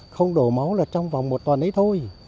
không đổ máu là trong vòng một tuần ấy thôi